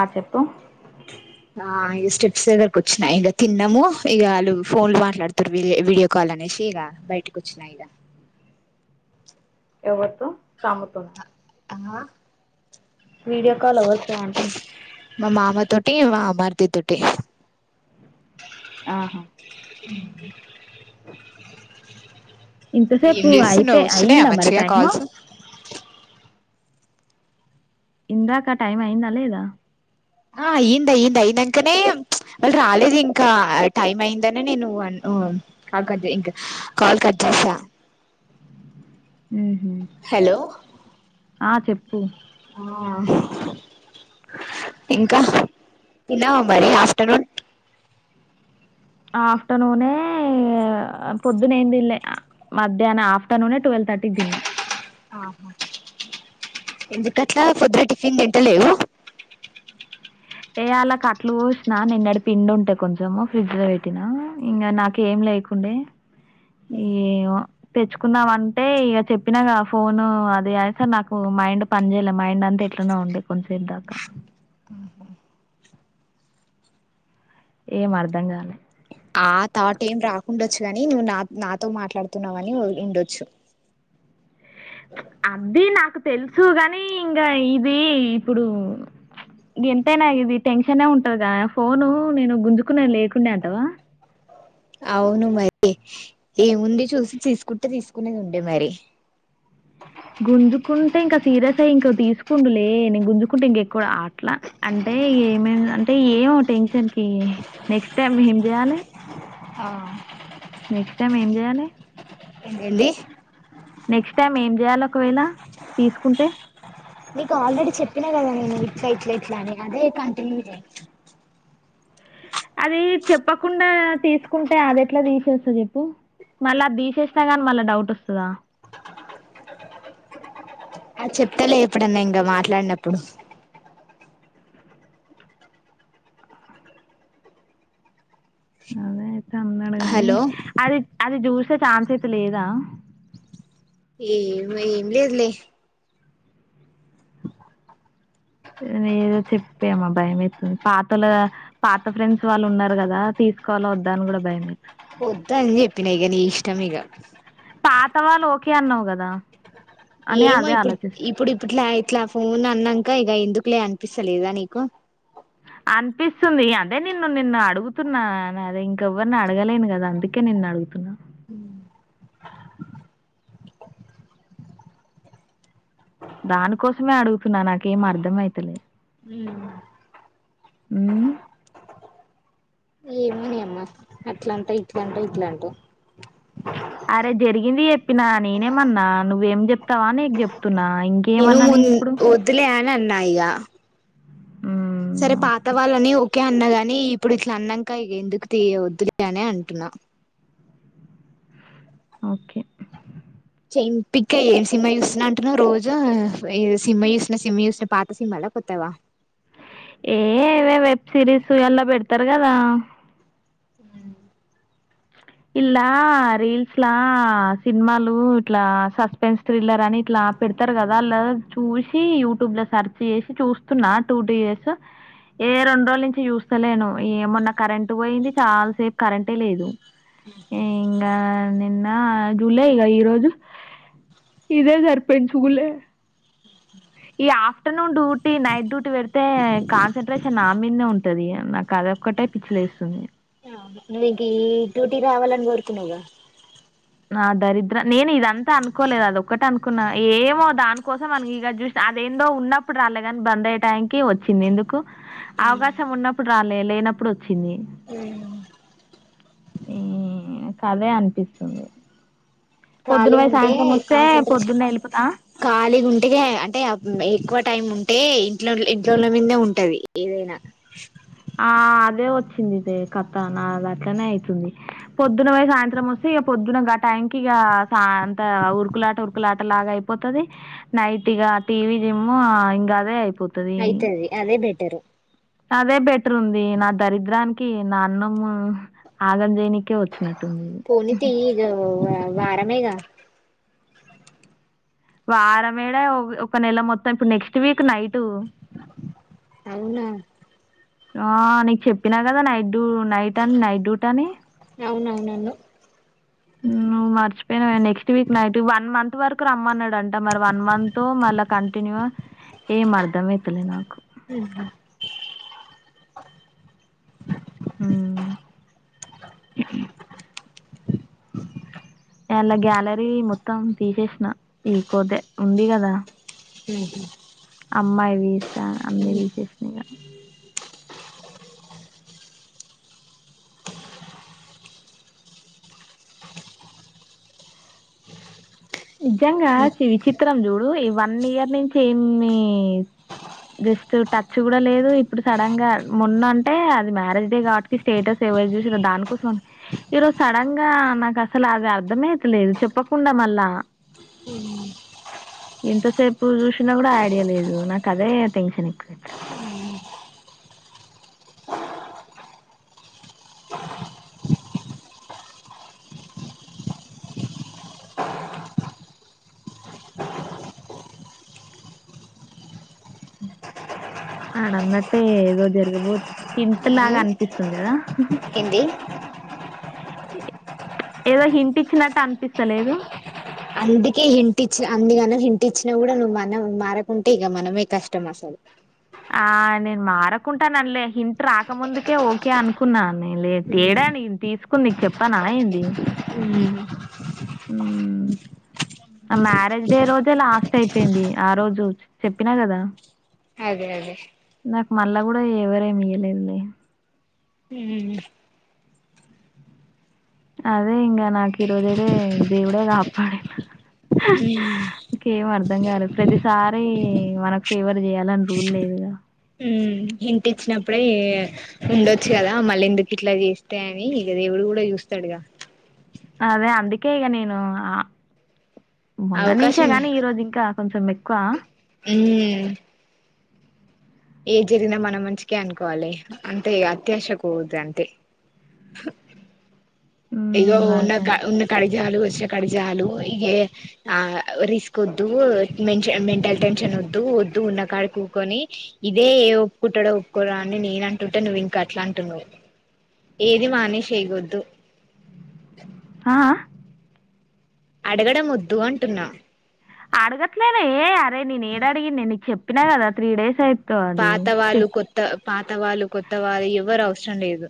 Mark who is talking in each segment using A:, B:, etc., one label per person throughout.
A: ఆ చెప్పు
B: ఆ ఇగ స్టెప్స్ దగ్గరకు వచ్చినాయి ఇక తిన్నము ఇక వాళ్ళు ఫోన్ లో మాట్లాడుతారు వీడి వీడియో కాల్ అనేసి ఇలా బ బయట్కొచ్చినాయిద
A: ఎవరితో ఒక ఆమెతో నా
B: ఆ
A: వీడియో కాల్ ఎవరితో అంటున్న
B: అంటే మా మరిది తోటే
A: ఆహా [inaudible]
B: ఏం
A: ఇంతసేపు
B: చేస్తున్నావ్
A: అయిపోయి
B: వస్తున్నాయా
A: అయిందా మరి
B: మంచిగా
A: టైము
B: కాల్స్
A: ఇందాక ఆ టైం అయిందా లేదా
B: ఆ అయింది అయ్యింది అయినంకనే వాళ్ళు రాలేదు ఇంకా టైమ్ అయిందనే నేను అ ఆ కట్ చెయ్ ఇంకా కాలు కట్ చేశా
A: ఉహు ఆ చెప్పు
B: ఆ ఇంకా తిన్నావా మరి ఆఫ్టర్నూన్
A: ఆఫ్టర్నూనే పొద్దున ఏందిన్లె మధ్యాహ్న ఆఫ్టర్నూనే ట్వల్ థర్టీకి తిన్నా
B: [unintelligible] ఎందుకట్లా పొద్దున టిఫిన్ తింట లేవు
A: ఏ అలా కట్లు పోసిన నిన్నడి పిండి ఉంటే కొంచెం ఫ్రిడ్జ్ లో పెట్టినా ఇంకా నాకేం లే కుండే ఏమో తెచ్చుకున్నాం అంటే ఇక చెప్పినాగ ఫోను అది అ యితే నాకు మైండ్ పని చేయలే మైండ్ అంత త ఎట్లనో ఉండే కొంచసేప్ దాకా
B: అ
A: ఏమర్ధం కాలె
B: ఆ తాట్ ఏం రాకుండొచ్చుగాని నువ్వు నా నాతో మాట్లాడుతున్నావు అని ఉండొచ్చు [inaudible]
A: అదీ నాకు తెలుసు గాని ఇంక ఇదీ ఇప్పుడు గెంతైనా ఇది టెన్షనే ఉంటది గా ఫోను నేను గుంజుకునే లేకుండె అంటవా
B: అ అవును మరి ఏముంది చూసి తీసుకుంటే తీసుకునేది ఉండే మరి [inaudible]
A: ఉండులే నేను గుంజుకుంటే ఇంకెక్కువ అట్లా అంటే ఏమైంది అంటే ఏమో టెన్షన్కి నెక్స్ట్ టైమ్ ఏంజెయాలె
B: ఆ
A: నెక్స్ట్ టైం ఏం జెయాలె
B: ఏంది
A: నెక్స్ట్ టైం ఏం జెయ్యాలి ఒకవేళ తీసుకుంటే
B: నీకు ఆల్రెడీ చెప్పినా కదా నేను ఇట్లా ఇట్ల ఇట్లా అని అదే కంటిన్యూ చేయ్
A: అది చెప్పకుండా తీసుకుంటే అది ఎట్లా తీసేస్తా చెప్పు మళ్ళ అది తీసేసినా గాని మళ్ళా డౌట్ వస్తదా
B: ఆ చెప్తాలే ఎప్పుడన్నా ఇంకా మాట్లాడినప్పుడు
A: అన్నయ్య ఐతే ఉన్నాడు గానీ
B: హలో
A: అది అది జూసొ ఛాన్స్ అయితే లేదా
B: ఏమే ఏం లేదులే
A: ఏదో చెప్పే అమా భయమయితీతుంది పాతల పాత ఫ్రెండ్స్ వాళ్ళు ఉన్నారు కదా సుకోవాల వద్దా అని కూడా భయమే
B: వద్దు అని చెప్పినా ఇక నీ ఇష్టం ఇక
A: పాతవాళ్ళ ఓకే అన్నావు కదా అని
B: ఏమో
A: అదే
B: ఇప్పుడు
A: ఆలోచిస్తు
B: ఇప్పుడు ఇప్పుట్లా అయి ఇట్లా ఫోన్ అన్నాంక ఇక ఎందుకులే అనిపిస్తలేదా నీకు
A: అనిపిస్తుంది అదే నిన్ను నిన్ను అడుగుతున్నా అదే ఇంకెవ్వరిని అడగలేను కదా అందుకే నే నిన్న అడుగుతున్నా
B: హ
A: దానికోసమే అడుగుతున్నా నాకే ఏం అర్ధం అయితలే
B: ఉ
A: మ్..
B: అట్లాంటె ఇట్లాంటవ్ ఇట్లాంటే
A: అరే జరిగింది చెప్పినా నేనేమన్నా నువ్వేం చెప్తావా నీకు చెప్త చెప్తున్నా ఇంకేమన్నా నేను ఇప్పుడు
B: నన్నయ్యా
A: మ్
B: సరే పాత వాళ్ళని ఓకే అన్నగాని ఇప్పుడు ఇట్లా అన్నాంక ఎందుకు తీయి వద్దులే అని అంటున్నావ్ [inaudible]
A: ఓకే
B: ఎంపీక సినిమా చూస్తా అంటున్నావ్ రోజు సినిమా చూస్తున్న సినిమా చూస్తున్న పాత సినిమాల కొత్త వ
A: ఏ ఏవో వెబ్ సిరీస్ ఆన్ల పెడతారు కదా
B: [inaudible]
A: ఇల్లా రీల్స్ లా సినిమాలు ఇట్లా సస్పెన్స్ థ్రిల్లర్ అని ఇట్లా పెడతారు కదా అల్లా చూసి యూట్యూబ్ లో సెర్చ్ చేసి చూస్తున్నా టూ టూ ఇయర్స్ ఏ రెండు రోజుల నుంచి చూస్తలేను ఏ మొన్న కరెంటు పోయింది చాలాసేపు కరెంటే లేదు
B: ఉహు
A: ఏ ఇంకా నిన్న జూలే ఇగ ఈరోజు ఇదే సరిపోయింది చూలే ఈ ఆఫ్టర్నూన్ డ్యూటీ నైట్ డ్యూటీ పెడితే కాన్సన్ట్రేషన్ నా మీదనే ఉంటది నాకు అదొక్క అట్టే పిచ్చి లేస్తుంది
B: నీకీ ఈ డ్యూటీ రావాలని కోరుకున్నావుగా
A: నా దరిద్రం నేను ఇదంతా అనుకోలేదు అది ఒక్కటి అనుకున్నా ఏమో దానికోసం అని ఇగ చూసిన అదేందో ఉన్నప్పుడు రాలేదు గాని బంద్ అయ్యే టైంకి వచ్చింది ఎందుకు అవకాశం ఉన్నప్పుడు రాలే లేనప్పుడు వచ్చింది. ఈ కదే అనిపిస్తు
B: ఖాళీగా ఉంటే
A: సాయంత్రం వస్తే
B: కాన్సంట్రేషన్
A: పొద్దున్నే వెళ్ళిపోతా ఆ?
B: ఖాళీ గుంటే అంటే ఎక్కువ టైం ఉంటే ఇంట్లో ఇంట్లోల్ల మీదే ఉంటది ఏదైనా
A: ఆ అదే వచ్చిందిలే కథ నాది అట్లనే అయితుంది పొద్దున పోయి సాయంత్రం వస్తే ఇగా పొద్దున గ టైంకి ఇగా అంత ఉరుకులాట ఉరుకులాట లాగా అయిపోతది నైట్ ఇగా టీవీ జిమ్ ఇంగా అదే అయి
B: అయితది అదే బెటరు
A: అదే బెటర్ ఉంది నా దరిద్రానికి నా అన్నం ఆగంజేనికి
B: పోనీతీయిగా వారమేగా
A: వారంయేడ ఒక నెల మొత్తం ఇప్పుడు నెక్స్ట్ వీక్ నైట్
B: అవునా
A: ఆ నీకు చెప్పినా కదా నైట్ డూ నైట్ అని నైట్ డ్యూటి అని
B: అవునవునను అన్నావ్
A: మర్చిపోయినా next week night one month వరకు రమ్మన్నాడంట మరి వన్ మంత్తో మళ్ళ కంటిన్యూ ఏం అర్థమైతలే నాకు
B: హుహు
A: ఉ అల్లా గ్యాలరీ మొత్తం తీసేసిన ఈ కోతే ఉంది కదా
B: ఉహు
A: అమ్మాయి వీ అన్ని తీసేసిన ఇగ నిజంగా విచిత్రం చూడు ఈ వన్ ఇయర్ నుంచి ఏమి జస్ట్ టచ్ కూడా లేదు ఇప్పుడు సడన్ గా మొన్న అంటే అది మ్యారేజ్ డే కాట్టికి స్టేటస్ ఎవరు చూసిరో దానికోసం ఈరోజు సడన్ గా నాకు అసలు అది అర్థమైతలేదు చెప్పకుండా మళ్ళా
B: ఉ
A: ఎంతసేపు చూసినా కూడా ఐడియా లేదు నాకు అదే టెన్షన్ ఎక్కువ
B: [inaudible]
A: ఆడన్నట్టే ఏదో జరగబోదు ఇంటిలాగా అనిపిస్తుంది కదా
B: ఏంది
A: ఏదో హింటిచ్చినట్టు అనిపిస్తలేదు.
B: అందుకే హింటిచ్చిన అన్నిగనము హింటి ఇచ్చినా కూడా నువ్వు మనం మారకుంటే ఇక మనమే కష్టం అసలు
A: ఆ నేను మారకుంటానులే హిట్ రాకముందుకే ఓకే అనుకున్నా నేను లే తేడాని నేను తీసుకుని నీకు చెప్పన ఏంది.
B: ఉమ్
A: మ్మ్. ఆ మ్యారేజ్ డే రోజే లాస్ట్ అయిపోయింది ఆ రోజు చెప్పిన గదా
B: అదే అదే
A: నాకు మళ్ళ గూడా ఎవరేమి ఇయ్యలేదులే
B: ఉమ్
A: అదే ఇంగా నాకు ఈరోజ అదే దేవుడే కాపాడిండు ఇంకేం అర్ధంగాలేదు ప్రతిసారి మనకు ఫేవర్ చేయాలని రూల్ లేదుగా
B: ఉమ్ హింట్ ఇచ్చినప్పుడే ఉండొచ్చు గదా మళ్ళీ ఎందుకు ఇట్ల చేస్తే అని ఇగ దేవుడు గూడా చూస్ స్తడిగా
A: అదే అందుకే ఇగ నేను ఆ మొన్న నించే
B: అవకాశం
A: గని ఈరోజు ఇంకా కొంచం ఎక్కువ
B: ఏ జరిగినా మన మంచికే అనుకోవాలి అంతే అత్యాశ పోది అంతే ఇగొ
A: హ్మ్
B: ఉన్న
A: అదే అదే
B: ఉన్న కడిగి చాలు చ్చే కాడికి జాలు ఇగే ఆ రిస్క్ ఉద్దు మెన్షన్ మెంటల్ టెన్షన్ ఉద్దు వద్దు ఉన్న కాడికి కూకొని ఇదే ఏ ఒప్పుకుంటడో ఒప్పుకోడో అని నేను అంటుంటే నువ్వు ఇంక అట్ల అంటున్నవ్ ఏది మానే చేయ్ గొద్దు
A: ఆ
B: అడగడం వద్దు అంటున్నా
A: అడగట్లేనే అట్ అరే నేను ఏడడిగిన్నే నీకు చెప్పినా గదా త్రీ డేస్ అయిత దని
B: పాత వాళ్ళు
A: చెప్
B: కొత్త పాత వాళ్ళు కొత్త వాళ్ళు ఎవ్వరు అవసరం లేదు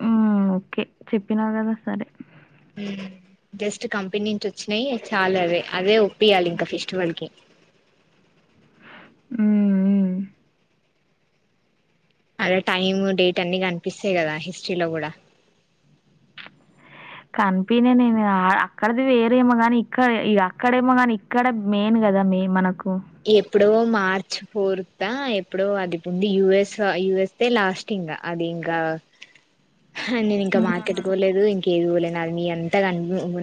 A: హ్మ్ ఓకే చెప్పినవు గదా సరే
B: ఏ జస్ట్ కంపెనీ నుంచి వచ్చినయి చాలు అవే అవే ఒప్పయాలి ఇంకా ఫిస్ట్ వల్ కి
A: హ్మ్ హ్మ్.
B: అదే టైమ్ డేట్ అన్ని కనిపిస్తయి గదా హిస్టరీలో గూడా
A: కనిపినే నేను అక్కడది వేరేమో గాని ఇక్కడ అక్కడేమో గాని ఇక్కడ మెయిన్ గదా మే మనకు
B: ఇ ఎప్పుడ్ డో మార్చ్ ఫోర్తా ఎప్పుడో అది పొంది యుూఎస్ యయుఎస్ లాస్ట్ ఇంగ అది గా హా నేను ఇంకా
A: హ్మ్.
B: మార్కెట్ పోలేదు ఇంక ఏది పోలే నాది మీ అంతా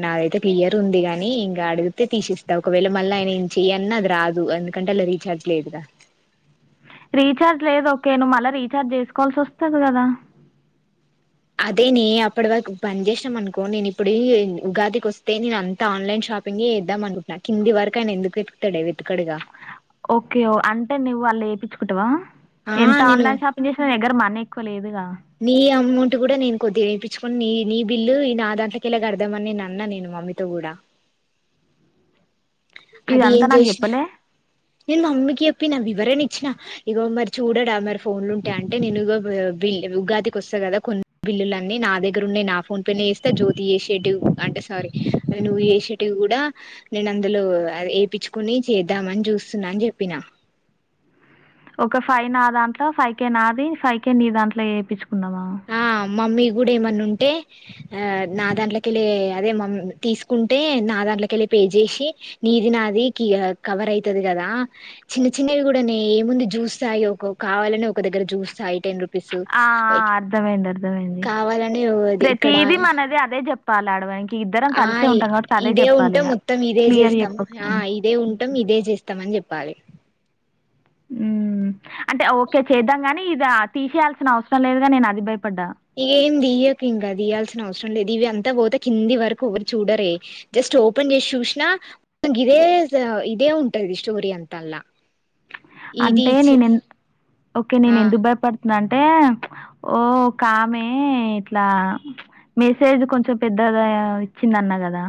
B: నాదైతే క్లియర్ ఉందిగని ఇగ అడుగుతే తీసిస్తా ఒకవేళ మళ్ళీ ఆయన చీ ఎన్నది అది రాదు అందుకంటే అండ్ల రీఛార్జ్ లేదు గా
A: రీచార్జ్ లేదు ఓకే నువ్వు మళ్ళ రీఛార్జ్ చేసుకోవాల్సి వస్తది గదా
B: అదేనే అప్పటి వరకు పని జేసినం అనుకో నేను ఇప్పుడు ఉగాదికి వస్తేనేన అంతా ఆన్లైన్ షాప్ పాపింగి వేద్దాం అనుకుంటున్నా కింది వరకు ఆయన ఎందుకు వెతుకుతడడే వెతుకడుగా
A: ఓకే అంటే నువు వాళ్ళు ఎపిచ్చుకుంటవా
B: ఆ
A: ఎంత
B: నేను
A: ఆన్లైన్ షాపింగ్ చేసినా నీ దగ్గర మనీ ఎక్కువ లేదుగా
B: నీ అమౌంట్ గూడా నేను కొద్దిగ ఎపిచ్చుకొని నీ నీ బిల్లు నా దాంట్లో కెళ్ళి కడదామని నే అన్నా నేను మా మామ్మితో గూడా అది ఎం
A: ఇదంతా నాకు
B: జేసిన
A: చెప్పలే
B: నేను మమ్మికి చెప్ చెప్పిన వివరణ ఇచ్చిన ఇగో మరి చూడడా మరి ఫోన్లు ఉంటే అంటే నేను ఇ ఉగాదికి వస్తా గద కొన్ని బిల్లులన్నీ నా దగ్గర ఉన్నయ్ నా ఫోన్ పే చేస్తే జ్యోతి చేసేటి అంటే సారీ చేసేటివి గూడా నేను అందులో అది ఏపిచ్చుకుని చేద్దామని చూస్తున్నా అని చెప్పిన
A: ఒక ఫైవ్ నా దాంట్లో ఫైవ్ కే నాది ఫైవ్ కే నీ దాంట్లో చేపిచ్చు కున్నవా
B: ఆ మమ్మీ గూడా ఏమన్న ఉంటే ఆ నా దాంట్ల కెళ్ళి అదే మమ్ తీసుకుంటే నా దా దాంట్ల కెళ్ళి పే జేసి నీది నాదికి కవర్ అయితది గదా చిన్న చిన్నవి గూడా నీ ఏముంది జూస్తాయో ఒక కావాలని ఒక దగ్గర జూస్తాయి టెన్ రూపీసు
A: అర్థమైంది అర్థమైంది
B: ఇక్కడ
A: ప్రతిది మనది అదే చెప్పాలి ఆడవానికి ఇద్దరం
B: ఆ
A: కలిసి ఉంటాం కాబట్టి అదే
B: ఇదే
A: చెప్పాలి
B: ఉంటే
A: ఇక
B: మొత్తం ఇదే
A: క్లియర్
B: చేస్తాం
A: చెప్పకు
B: ఆ ఇదే ఉంటాం ఇదే చేస్తాం స్తమని చెప్పాలి
A: ఉ అంటే ఓకే చేద్దాం గానీ ఇది తీసేయాల్సిన అవసరం లేదుగా నేను అది భయపడ్డా
B: ఏంది ఇంకా తీయాల్సిన అవసరం లేదు ఇవి అంతా పోతే కింది వరకు ఎవరు చూడరే జస్ట్ ఓపెన్ చేసి చూసినా ఇదే ఇదే ఉంటది స్టోరి అంతలా
A: అంటే నేను ఎంద్-ఓకే
B: ఆ
A: నేను ఎందుకు భయపడుతున్నా అంటే ఓ కామె ఇట్లా మెసేజ్ కొంచెం పెద్దగా ఇచ్చిందన్న కదా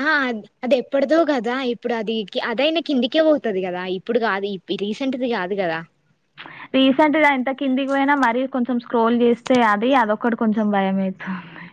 B: ఆ హ అది ఎప్పటిదో కదా ఇప్పుడు అది అదయినా కిందికే పోతది కదా ఇప్పుడు కాదు రీసెంట్ ది కాదు గదా
A: రీసెంట్గా ఎంత కిందికి పోయినా మరి కొంచెం స్క్రోల్ చేస్తే అది అదొకటి కొంచెం భయం అయితాంది